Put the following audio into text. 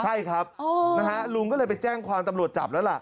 ใช่ครับนะฮะลุงก็เลยไปแจ้งความตำรวจจับแล้วล่ะ